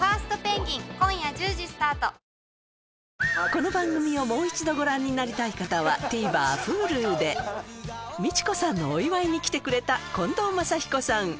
この番組をもう一度ご覧になりたい方はＴＶｅｒＨｕｌｕで未知子さんのお祝いに来てくれた近藤真彦さん